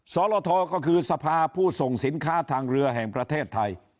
สรทก็คือสภาผู้ส่งสินค้าทางเรือแห่งประเทศไทย